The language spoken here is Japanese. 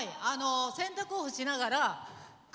洗濯を干しながら。